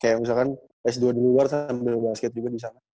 kayak misalkan s dua di luar sambil basket juga di sana